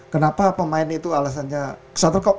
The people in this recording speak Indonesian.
kenapa pemain itu alasannya shuttlecock